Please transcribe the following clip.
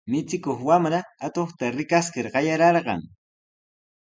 Michikuq wamra atuqta rikaskir qayararqan.